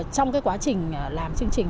trong cái quá trình làm chương trình